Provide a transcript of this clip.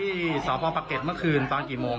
กรุงข้าวเซาเฟิดหวัดค่อยจะมายินต่อก็มาแจ้งก่อน